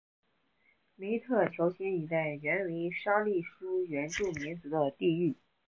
梅特乔辛一带原为沙利殊原住民族的地域。